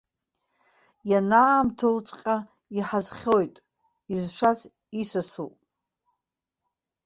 Ианаамҭоуҵәҟьа иҳазхьоит, изшаз исасуп.